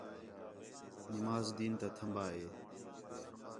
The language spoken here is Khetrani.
نماز دِین تا تھمبا ہے